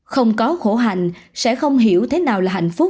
không có khổ hành sẽ không hiểu thế nào là hạnh phúc